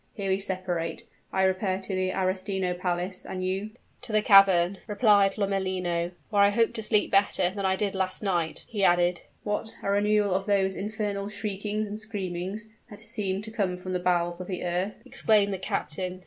Here we separate, I repair to the Arestino Palace, and you " "To the cavern," replied Lomellino: "where I hope to sleep better than I did last night," he added. "What! a renewal of those infernal shriekings and screamings, that seem to come from the bowels of the earth?" exclaimed the captain.